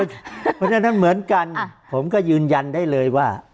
เพราะฉะนั้นเหมือนกันผมก็ยืนยันได้เลยว่า